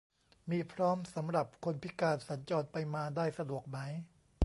มีพร้อมสำหรับคนพิการสัญจรไปมาได้สะดวกไหม